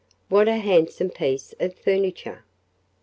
"What a handsome piece of furniture!"